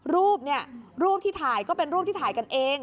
รูปเนี่ยรูปที่ถ่ายก็เป็นรูปที่ถ่ายกันเอง